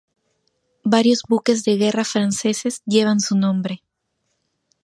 Varios buques de guerra franceses llevan su nombre.